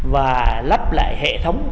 và lắp lại hệ thống